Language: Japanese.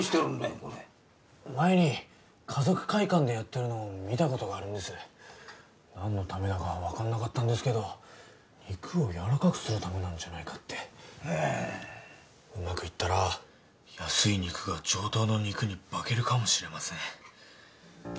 これ前に華族会館でやってるのを見たことがあるんです何のためだか分かんなかったんですけど肉をやわらかくするためかとへえうまくいったら安い肉が上等の肉に化けるかもしれません・